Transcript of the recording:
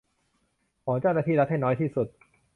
ของเจ้าหน้าที่รัฐให้น้อยที่สุด